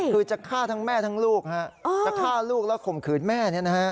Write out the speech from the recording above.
คือจะฆ่าทั้งแม่ทั้งลูกจะฆ่าลูกแล้วข่มขืนแม่